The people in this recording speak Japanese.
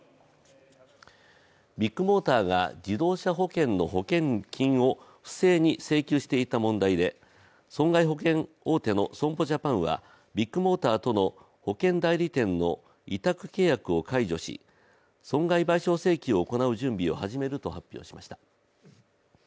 ビッグモーターが自動車保険の保険金を不正に請求していた問題で損害保険大手の損保ジャパンはビッグモーターとの保険代理店の委託契約を解除し損害賠償請求を行う準備を始めると発表しました。